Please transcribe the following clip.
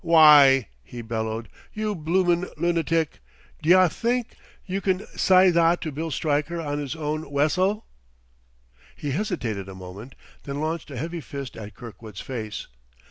"W'y," he bellowed, "you bloomin' loonatic, d'ye think you can sye that to Bill Stryker on 'is own wessel!" He hesitated a moment, then launched a heavy fist at Kirkwood's face.